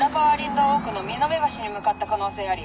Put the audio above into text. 道奥の美濃部橋に向かった可能性あり。